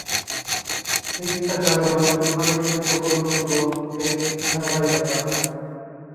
মিথ্যা জাগরণ আরেকটি প্রকরণ হলো এর ধারাবাহিকতা।